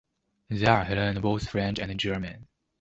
There he learned both French and German.